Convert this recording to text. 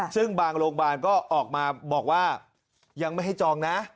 ซึ่งบางโรงพยาบาลก็ออกมาบอกว่ายังไม่ให้จองนะ